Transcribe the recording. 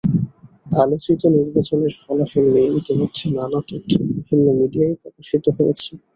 আলোচিত নির্বাচনের ফলাফল নিয়ে ইতিমধ্যেই নানা তথ্য বিভিন্ন মিডিয়ায় প্রকাশিত হয়েছে।